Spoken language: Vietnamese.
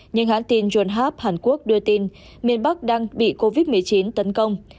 nhưng hãn tin john harp hàn quốc đưa tin miền bắc đang bị covid một mươi chín tấn công